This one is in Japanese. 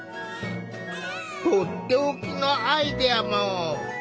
とっておきのアイデアも。